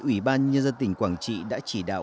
ủy ban nhân dân tỉnh quảng trị đã chỉ đạo